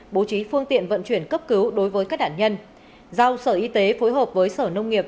bố trí phương tiện vận chuyển cấp cứu đối với các đạn nhân giao sở y tế phối hợp với sở nông nghiệp